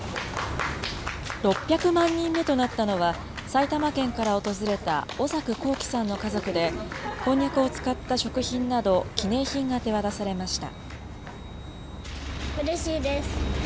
６００万人目となったのは、埼玉県から訪れた小作晃生さんの家族で、こんにゃくを使った食品など記念品が手渡されました。